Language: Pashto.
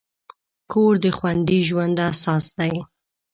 کور د خوندي ژوند اساس دی.